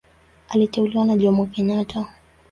Aliteuliwa na Jomo Kenyatta.